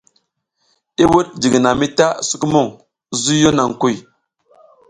I wuɗ jiginami ta sukumuŋ, zuyo naŋ kuy.